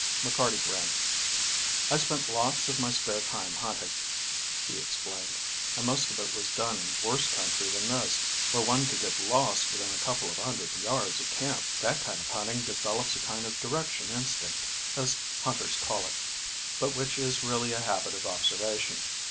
McCarty grinned. "I spent lots of my spare time hunting," he explained, "and most of it was done in a worse country than this, where one could get lost within a couple of hundred yards of camp. That kind of hunting develops a kind of direction instinct, as hunters call it, but which is really a habit of observation.